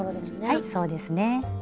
はいそうですね。